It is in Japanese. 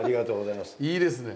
いいですね。